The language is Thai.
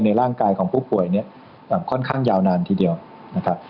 ร่างกายของผู้ป่วยเนี่ยค่อนข้างยาวนานทีเดียวนะครับ